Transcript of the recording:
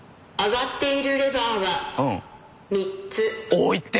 多いって。